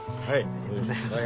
ありがとうございます。